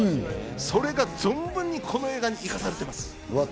それが存分にこの映画に生かされております。